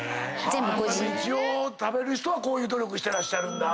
一応食べる人はこういう努力してらっしゃるんだ。